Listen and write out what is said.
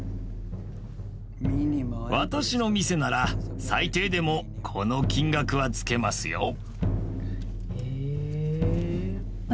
私の店なら最低でもこの金額はつけますよ。